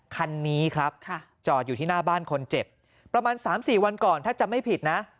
คันนี้ครับจอดอยู่ที่หน้าบ้านคนเจ็บประมาณ๓๔วันก่อนถ้าจำไม่ผิดนะ